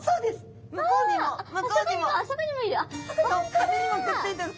壁にもくっついてる。